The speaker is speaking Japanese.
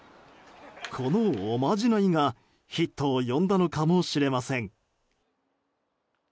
このおまじないがヒットを呼んだのかもしれません。